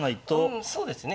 うんそうですね。